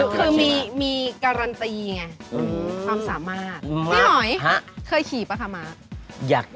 คือมีการันตีไงความสามารถพี่หอยเคยขี่ป่ะคะมา